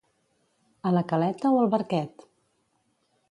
A la Caleta o al Barquet?